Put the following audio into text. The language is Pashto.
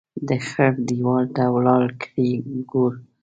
د خړ ديوال ته ولاړ ګړی کوږ کړ.